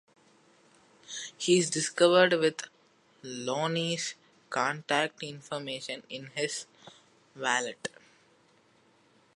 He is discovered with Lonnie's contact information in his wallet.